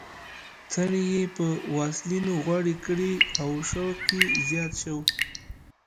څڼې یې په واسلینو غوړې کړې او شوق یې زیات شوی.